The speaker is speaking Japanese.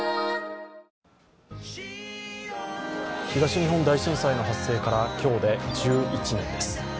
東日本大震災の発生から今日で１１年です。